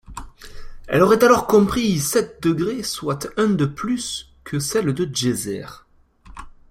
Elle aurait alors compris sept degrés soit un de plus que celle de Djéser.